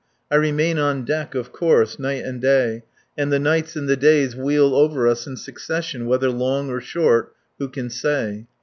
I remain on deck, of course, night and day, and the nights and the days wheel over us in succession, whether long or short, who can say?